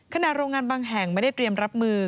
โรงงานบางแห่งไม่ได้เตรียมรับมือ